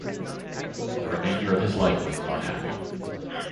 The remainder of his life was not happy.